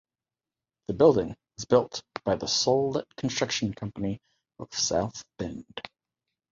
The building was built by the Sollitt Construction Company of South Bend.